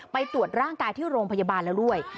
ไปตรวจร่างกายที่โรงพยาบาลเริ่ม